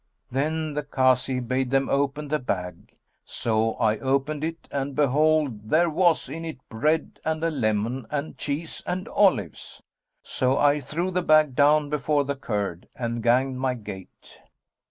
Then the Kazi bade them open the bag; so I opened it and behold, there was in it bread and a lemon and cheese and olives. So I threw the bag down before the Kurd and ganged my gait."